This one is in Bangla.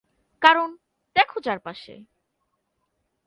কারণ, দেখো চারপাশে।